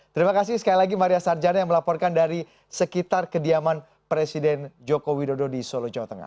terima kasih sekali lagi maria sarjana yang melaporkan dari sekitar kediaman presiden joko widodo di solo jawa tengah